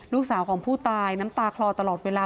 ลูกสาวของผู้ตายน้ำตาคลอตลอดเวลา